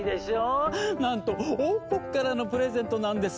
なんと王国からのプレゼントなんですぞ。